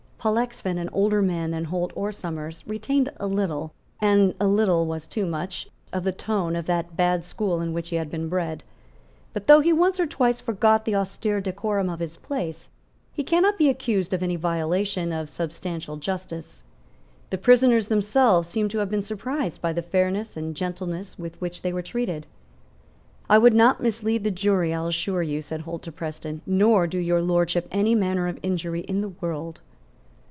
Pollexfen, an older man than Holt or Somers, retained a little, and a little was too much, of the tone of that bad school in which he had been bred. But, though he once or twice forgot the austere decorum of his place, he cannot be accused of any violation of substantial justice. The prisoners themselves seem to have been surprised by the fairness and gentleness with which they were treated. "I would not mislead the jury, I'll assure you," said Holt to Preston, "nor do Your Lordship any manner of injury in the world."